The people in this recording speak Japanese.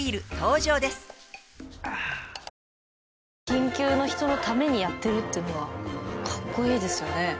緊急の人のためにやってるっていうのはかっこいいですよね。